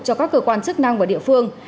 cho các cơ quan chức năng và địa phương